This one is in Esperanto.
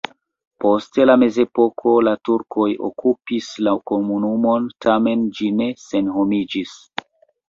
Post la mezepoko la turkoj okupis la komunumon, tamen ĝi ne senhomiĝis.